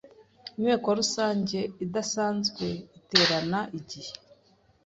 Inteko Rusange idasanzwe iterana igihe